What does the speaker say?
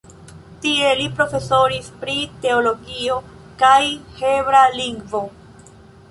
Tie li profesoris pri teologio kaj hebrea lingvo.